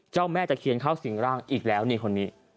เจ้าแม่จะเขียนเข้าสิงหรั่งอีกแล้วนี่คนนี้